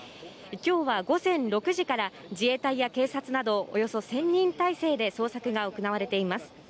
今日は午前６時から自衛隊や警察などおよそ１０００人態勢で捜索が行われています。